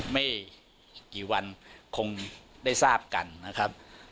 ไม่กี่วันคงได้ทราบกันนะครับ